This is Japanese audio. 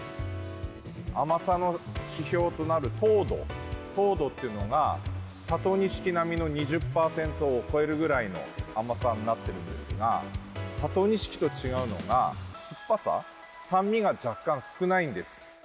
甘さの指標となる糖度、糖度っていうのが、佐藤錦並みの２０％を超えるぐらいの甘さになってるんですが、佐藤錦と違うのが酸っぱさ、酸味が若干少ないんです。